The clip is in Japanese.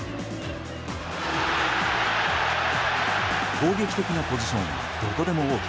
攻撃的なポジションはどこでもＯＫ。